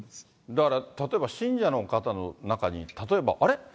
だから、例えば信者の方の中に、例えば、あれ？